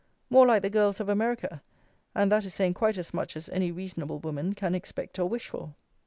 More like the girls of America, and that is saying quite as much as any reasonable woman can expect or wish for.